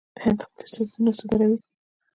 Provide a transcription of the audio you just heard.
هند خپل استعدادونه صادروي.